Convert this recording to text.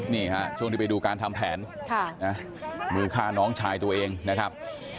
นี่ฮะช่วงที่ไปดูการทำแผนมือฆ่าน้องชายตัวเองนะครับ